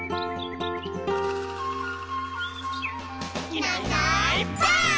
「いないいないばあっ！」